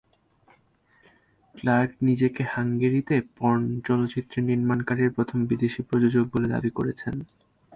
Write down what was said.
Clerk নিজেকে হাঙ্গেরিতে porn চলচ্চিত্র নির্মাণকারী প্রথম বিদেশী প্রযোজক বলে দাবি করেছেন।